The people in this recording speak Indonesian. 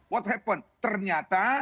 what happened ternyata